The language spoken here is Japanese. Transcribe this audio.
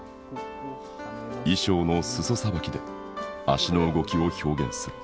衣裳の裾さばきで足の動きを表現する。